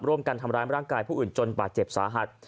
ร่วมกันทำร้ายร่างกายผู้อื่นจนบาดเจ็บสาหัส